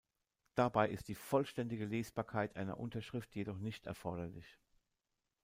Dabei ist die vollständige Lesbarkeit einer Unterschrift jedoch nicht erforderlich.